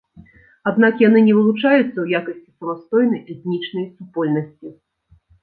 Аднак яны не вылучаюцца ў якасці самастойнай этнічнай супольнасці.